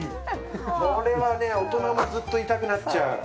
これはね大人もずっといたくなっちゃう。